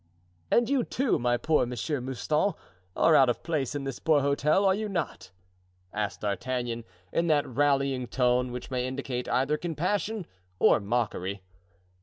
"And you, too, my poor Monsieur Mouston, are out of place in this poor hotel, are you not?" asked D'Artagnan, in that rallying tone which may indicate either compassion or mockery.